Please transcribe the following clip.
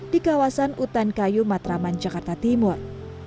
di kawasan utan kayu matraman jakarta timur